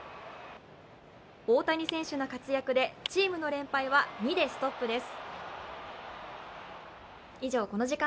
大谷選手の活躍でチームの連敗は２でストップです。